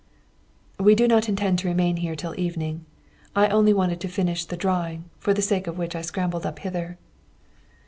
"We do not intend to remain here till evening. I only wanted to finish the drawing, for the sake of which I scrambled up hither."